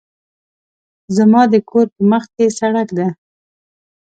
زما د کور په مخکې سړک ده